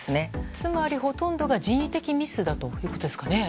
つまりほとんどが人為的ミスだということですかね。